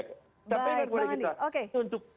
menurut maruah kita